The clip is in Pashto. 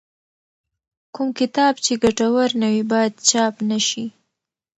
کوم کتاب چې ګټور نه وي باید چاپ نه شي.